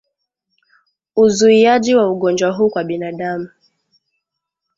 Uzuiaji wa ugonjwa huu kwa binadamu